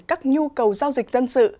các nhu cầu giao dịch dân sự